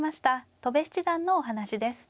戸辺七段のお話です。